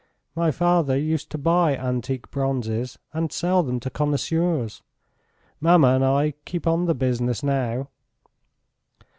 My father used to buy antique bronzes and sell them to connoisseurs ... Mamma and I keep on the business now."